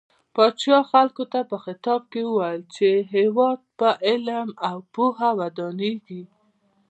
پاچا خلکو ته په خطاب کې وويل چې هيواد په علم او پوهه ودانيږي .